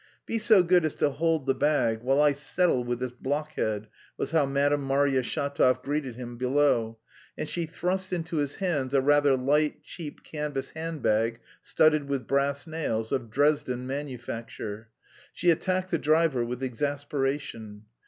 "Be so good as to hold the bag while I settle with this blockhead," was how Madame Marya Shatov greeted him below, and she thrust into his hands a rather light cheap canvas handbag studded with brass nails, of Dresden manufacture. She attacked the driver with exasperation.